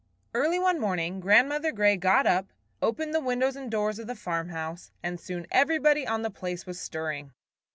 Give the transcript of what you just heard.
Early one morning Grandmother Grey got up, opened the windows and doors of the farmhouse, and soon everybody on the place was stirring.